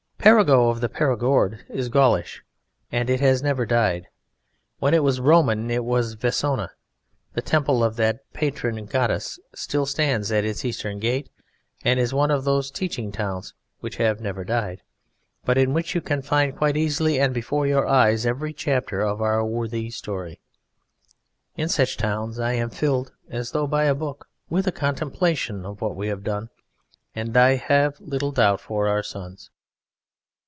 Perigeux of the Perigord is Gaulish, and it has never died. When it was Roman it was Vesona; the temple of that patron Goddess still stands at its eastern gate, and it is one of those teaching towns which have never died, but in which you can find quite easily and before your eyes every chapter of our worthy story. In such towns I am filled as though by a book, with a contemplation of what we have done, and I have little doubt for our sons.